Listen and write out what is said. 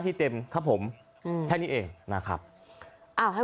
คุณผู้ชมไปฟังเสียงพร้อมกัน